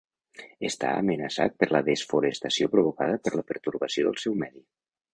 Està amenaçat per la desforestació provocada per la pertorbació del seu medi.